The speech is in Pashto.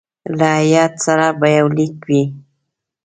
له هیات سره به یو لیک وي.